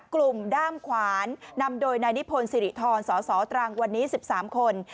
ด้ามขวานนำโดยนายนิพนธ์สิริธรสสตรังวันนี้๑๓คน